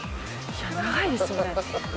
いや長いですよね。